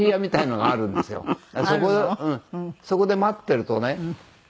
そこで待ってるとね。